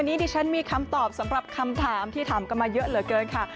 อันนี้ดิฉันมีคำตอบสำหรับคำถามที่ถามกันมาเยอะเหลือเกินค่ะ